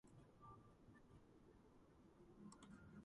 დგას ფლორენციის რკინიგზის ცენტრალური სადგურის მოედანზე.